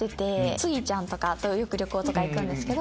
杉ちゃんとかとよく旅行とか行くんですけど。